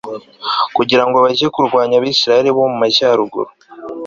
kugira ngo bajye kurwanya abisiraheli bo mu majyaruguru